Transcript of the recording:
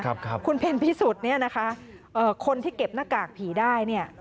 ครับคุณเพ็ญพิสุทธิ์เนี่ยนะคะเอ่อคนที่เก็บหน้ากากผีได้เนี่ย